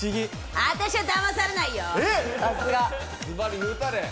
私は、だまされないよ！